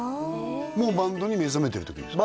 もうバンドに目覚めてる時ですか？